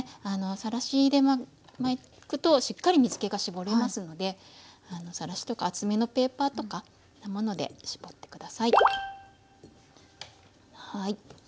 さらしで巻くとしっかり水けが絞れますのでさらしとか厚めのペーパーとかそういうもので絞って下さい。